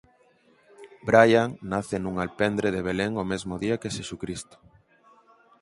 Brian nace nun alpendre de Belén o mesmo día que Xesucristo.